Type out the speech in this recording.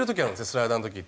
スライダーの時って。